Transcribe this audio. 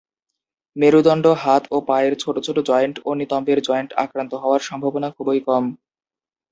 মেরুদণ্ড, হাত ও পায়ের ছোট ছোট জয়েন্ট ও নিতম্বের জয়েন্ট আক্রান্ত হওয়ার সম্ভাবনা খুবই কম।